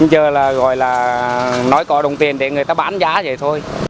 giờ là gọi là nói có đồng tiền để người ta bán giá vậy thôi